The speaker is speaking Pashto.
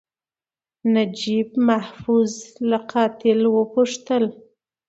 نجیب محفوظ له قاتل وپوښتل.